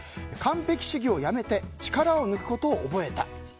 完璧主義をやめて力を抜くことを覚えた。